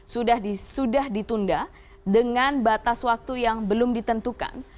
sudah ditunda dengan batas waktu yang belum ditentukan